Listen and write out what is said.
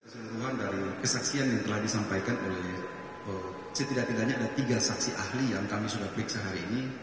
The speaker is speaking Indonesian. seluruhan dari kesaksian yang telah disampaikan oleh setidak tidaknya ada tiga saksi ahli yang kami sudah periksa hari ini